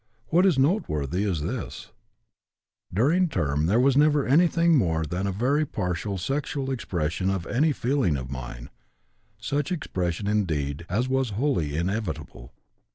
What is noteworthy is this: During term there was never anything more than a very partial sexual expression of any feeling of mine, such expression indeed as was wholly inevitable.